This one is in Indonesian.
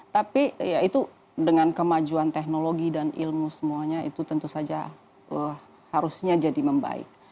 tapi ya itu dengan kemajuan teknologi dan ilmu semuanya itu tentu saja harusnya jadi membaik